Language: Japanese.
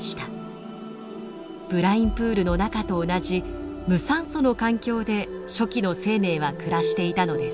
ブラインプールの中と同じ無酸素の環境で初期の生命は暮らしていたのです。